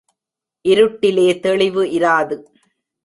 இருட்டிலே தெளிவு இராது.